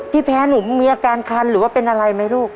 ที่แพ้หนูมีอาการคันหรือเป็นอะไรมั้ยลูก